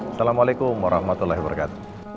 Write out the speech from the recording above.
assalamualaikum warahmatullahi wabarakatuh